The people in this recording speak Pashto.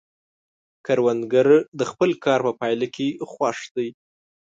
کروندګر د خپل کار په پایله کې خوښ دی